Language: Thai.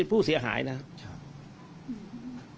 ผู้เสียหายนะครับ